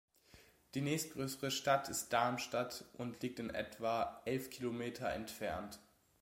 Die nächstgrößere Stadt ist Darmstadt und liegt in etwa elf Kilometer entfernt.